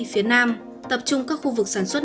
phía nam tập trung các khu vực sản xuất